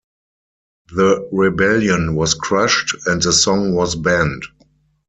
The rebellion was crushed, and the song was banned.